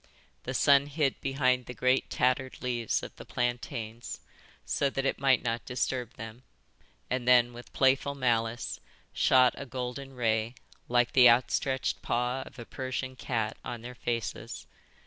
The sun hid behind the great tattered leaves of the plantains so that it might not disturb them, and then, with playful malice, shot a golden ray, like the outstretched paw of a Persian cat, on their faces.